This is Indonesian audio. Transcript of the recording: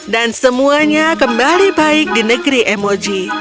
semuanya kembali baik di negeri emoji